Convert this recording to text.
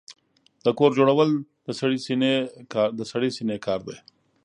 د کور جوړول د سړې سينې کار دی.